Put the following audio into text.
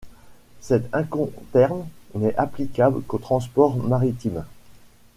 Cet incoterm n’est applicable qu’aux transports maritimes.